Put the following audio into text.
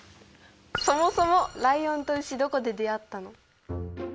「そもそもライオンとウシどこで出会ったの？」。